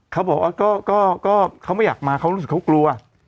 เขาก็เขารู้สึกเขากลัว